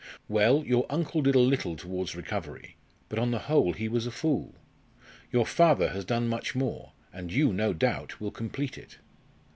Well, your uncle did a little towards recovery but on the whole he was a fool. Your father has done much more, and you, no doubt, will complete it.